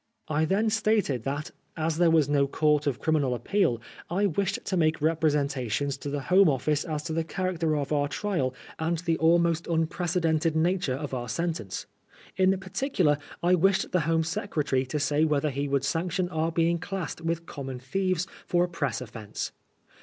I then stated that, as there waa no Court of Criminal Appeal, I wished to make representations to the Home \ Office as to the character of our trial and the almost 114 PRISONEB irOB BLASPHEMY. unprecedented natnre of our sentence ; in particular, I wished the Home Secretary to say whether he would sanction our being classed with common thieves for a press offence.